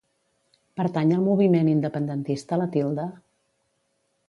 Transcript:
Pertany al moviment independentista la Tilda?